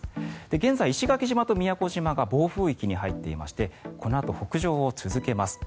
現在、石垣島と宮古島が暴風域に入っていまして北上を続けます。